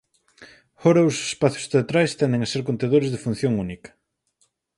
Agora os espazos teatrais tenden a ser contedores de función única.